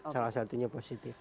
salah satunya positif